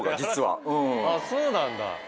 そうなんだ。